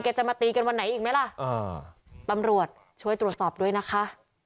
จะมาตีกันวันไหนอีกไหมล่ะอ่าตำรวจช่วยตรวจสอบด้วยนะคะ